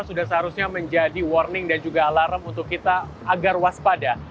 sudah seharusnya menjadi warning dan juga alarm untuk kita agar waspada